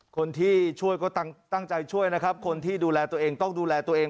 คนที่ช่วยก็ตั้งใจช่วยนะครับคนที่ดูแลตัวเองต้องดูแลตัวเอง